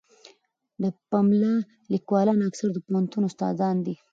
د پملا لیکوالان اکثره د پوهنتون استادان دي.